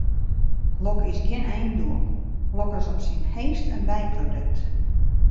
Lok is gjin eindoel, lok is op syn heechst in byprodukt.